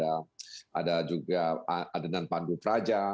ada juga adonan pandu praja